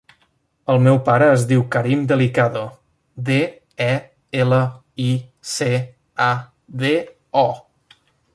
El meu pare es diu Karim Delicado: de, e, ela, i, ce, a, de, o.